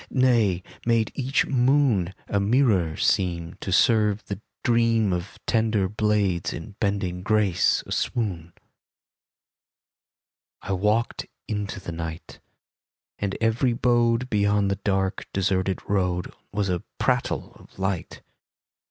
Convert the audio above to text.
Nay, made each moon A mirror seem To serve the dream Of tender blades in bending grace a swoon. I walked into the night, And every abode Beyond the dark, deserted road Was a prattle of light.